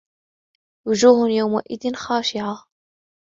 وُجُوهٌ يَوْمَئِذٍ خَاشِعَةٌ